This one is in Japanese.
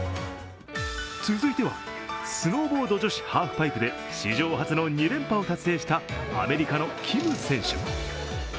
続いては、スノーボード女子ハープパイプで史上初の２連覇を達成したアメリカのキム選手。